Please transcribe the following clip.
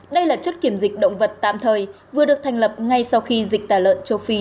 đây là chốt kiểm dịch động vật tạm thời vừa được thành lập ngay sau khi dịch tả lợn châu phi